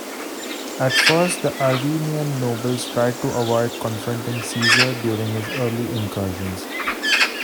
At first the Arvenian nobles tried to avoid confronting Caesar during his early incursions.